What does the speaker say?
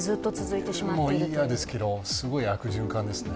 嫌ですけど、すごい悪循環ですね。